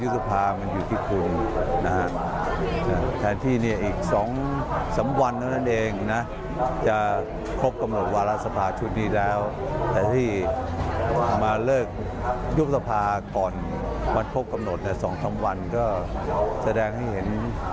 แสดงให้เห็นว่าตลอดเวลาไงคุณเอาเปรียกคนอื่นทั้งสิ้น